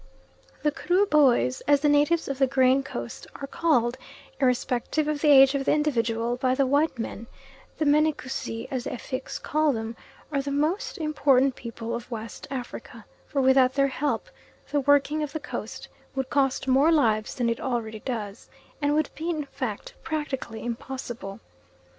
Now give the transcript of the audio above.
The Kruboys, as the natives of the Grain Coast are called, irrespective of the age of the individual, by the white men the Menekussi as the Effiks call them are the most important people of West Africa; for without their help the working of the Coast would cost more lives than it already does, and would be in fact practically impossible.